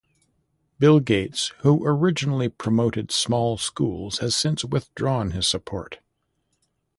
Bill Gates, who originally promoted small schools, has since withdrawn his support.